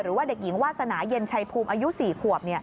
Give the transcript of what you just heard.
หรือว่าเด็กหญิงวาสนาเย็นชัยภูมิอายุ๔ขวบ